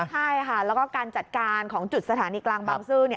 ใช่ค่ะแล้วก็การจัดการของจุดสถานีกลางบางซื่อ